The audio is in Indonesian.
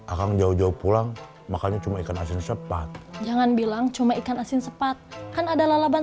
akan jauh jauh pulang makanya cuma ikan asin sepat jangan bilang cuma ikan asin sepat kan ada lalaban